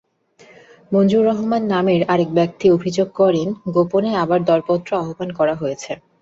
মজনুর রহমান নামের আরেক ব্যক্তি অভিযোগ করেন, গোপনে আবার দরপত্র আহ্বান করা হয়েছে।